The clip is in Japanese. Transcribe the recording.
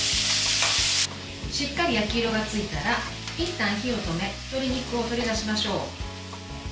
しっかり焼き色がついたらいったん火を止め鶏肉を取り出しましょう。